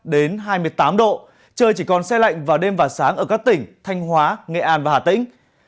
đến hai mươi tám độ trời chỉ còn xe lạnh vào đêm và sáng ở các tỉnh thanh hóa nghệ an và hà tĩnh